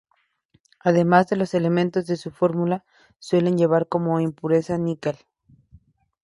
Además de los elementos de su fórmula, suele llevar como impureza níquel.